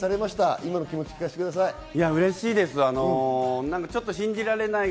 今の気持ちをお聞かせください。